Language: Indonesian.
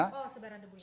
oh sebaran debunya